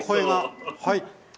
はい。